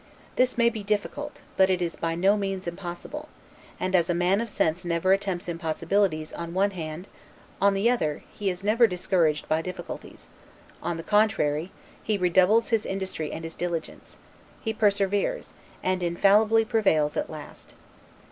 This may be difficult, but it is by no means impossible; and, as a man of sense never attempts impossibilities on one hand, on the other, he is never discouraged by difficulties: on the contrary, he redoubles his industry and his diligence; he perseveres, and infallibly prevails at last.